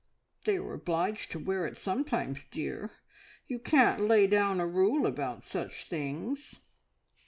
"They are obliged to wear it sometimes, dear. You can't lay down a rule about such things."